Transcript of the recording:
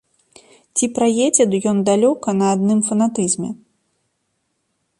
Ці праедзе ён далёка на адным фанатызме?